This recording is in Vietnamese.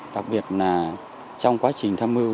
đặc biệt là trong quá trình tham mưu